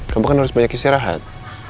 kamu kan harus banyak istirahat